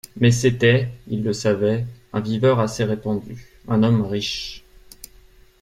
Mais c'était, il le savait, un viveur assez répandu, un homme riche.